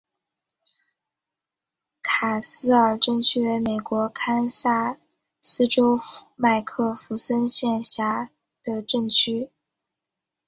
卡斯尔镇区为美国堪萨斯州麦克弗森县辖下的镇区。